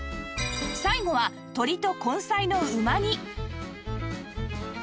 最後は鶏と根菜のうま煮